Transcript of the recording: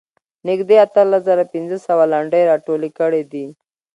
نږدې اتلس زره پنځه سوه لنډۍ راټولې کړې دي.